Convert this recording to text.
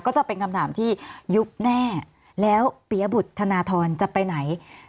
ก็จะเป็นคำถามที่ยุบแน่แล้วปียบุตรธนทรจะไปไหน